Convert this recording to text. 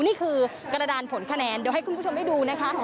นี่คือกระดานผลคะแนนเดี๋ยวให้คุณผู้ชมได้ดูนะคะ